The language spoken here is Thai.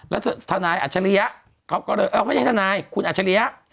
แล้วธนายอัชริยะเขาก็เลยเอ้าไม่ใช่ธนายคุณอัชริยะ